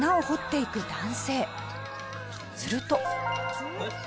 すると。